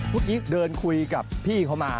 เมื่อกี้เดินคุยกับพี่เขามา